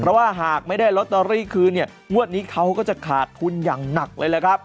เพราะว่าหากไม่ได้ลอตเตอรี่คืนเนี่ยงวดนี้เขาก็จะขาดทุนอย่างหนักเลยแหละครับ